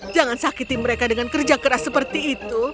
jangan sakiti mereka dengan kerja keras seperti itu